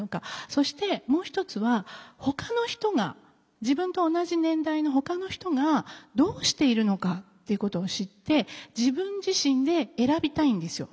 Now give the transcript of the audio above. そしてもう一つはほかの人が自分と同じ年代のほかの人がどうしているのかっていうことを知って自分自身で選びたいんですよ。